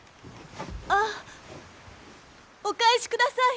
あっお返しください！